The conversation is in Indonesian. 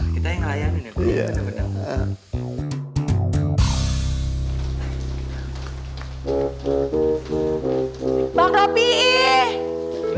kita yang melayani bener bener